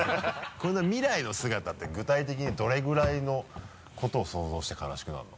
この未来の姿って具体的にどれぐらいのことを想像して悲しくなるの？